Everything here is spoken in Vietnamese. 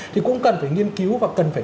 thì cũng cần phải nghiên cứu và cần phải